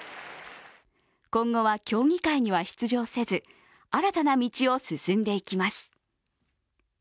今後は競技会には出場せず、新たな道を進んでいきます。